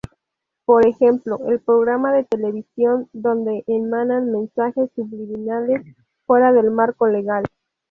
Por ejemplo: el programa de televisión, donde emanan mensajes subliminales fuera del marco legal.